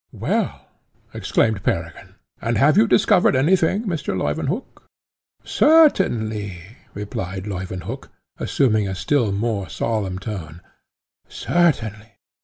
"Well!" exclaimed Peregrine; "and have you discovered anything, Mr. Leuwenhock?" "Certainly!" replied Leuwenhock, assuming a still more solemn tone "certainly!